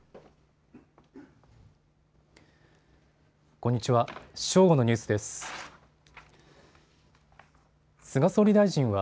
こんにちは。